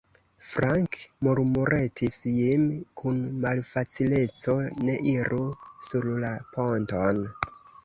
Frank, murmuretis Jim kun malfacileco, ne iru sur la ponton!